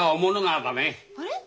あれ？